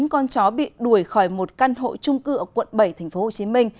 bốn con chó bị đuổi khỏi một căn hộ trung cư ở quận bảy tp hcm